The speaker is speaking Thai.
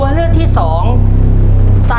ชุดที่๔ห้อชุดที่๔